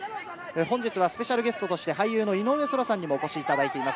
本日はスペシャルゲストとして俳優の井上想良さんにお越しいただいています。